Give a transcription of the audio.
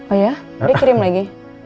oh ya dia kirim lagi